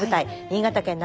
新潟県お！